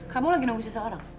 kamu lagi nunggu seseorang